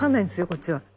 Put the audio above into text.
こっちは。